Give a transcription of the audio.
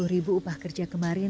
sepuluh ribu upah kerja kemarin